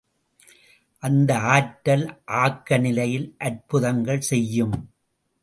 அந்த ஆற்றல் ஆக்கநிலையில் அற்புதங்கள் செய்யும்!